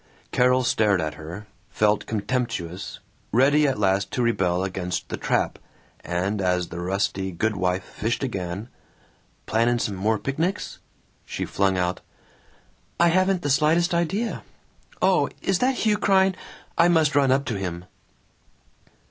Carol stared at her, felt contemptuous, ready at last to rebel against the trap, and as the rusty goodwife fished again, "Plannin' some more picnics?" she flung out, "I haven't the slightest idea! Oh. Is that Hugh crying? I must run up to him."